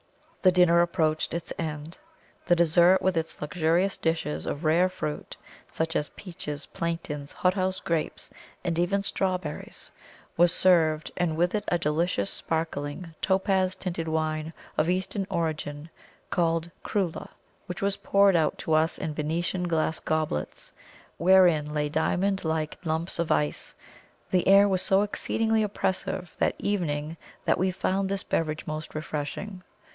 The dinner approached its end. The dessert, with its luxurious dishes of rare fruit, such as peaches, plantains, hothouse grapes, and even strawberries, was served, and with it a delicious, sparkling, topaz tinted wine of Eastern origin called Krula, which was poured out to us in Venetian glass goblets, wherein lay diamond like lumps of ice. The air was so exceedingly oppressive that evening that we found this beverage most refreshing.